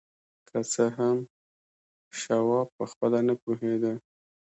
که څه هم شواب پخپله نه پوهېده.